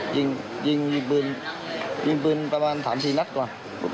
ยิงยิงปืนยิงปืนประมาณ๓๔นัดกว่า